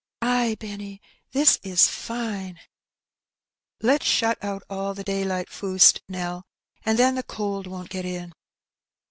''Ay, Benny, this is fine." '' Let's shut out aU the daylight fust, Nell, and then the cold won't get in."